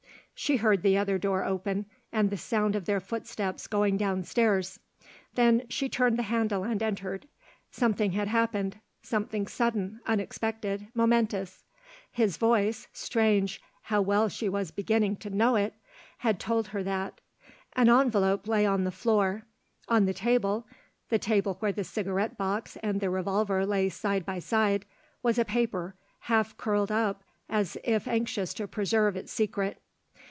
She heard the other door open and the sound of their footsteps going down stairs; then she turned the handle and entered. Something had happened, something sudden, unexpected, momentous. His voice, strange how well she was beginning to know it! had told her that. An envelope lay on the floor; on the table, the table where the cigarette box and the revolver lay side by side, was a paper, half curled up as if anxious to preserve its secret.